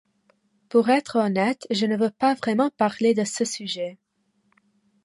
Pour être honnête, je ne veux pas vraiment parler de ce sujet.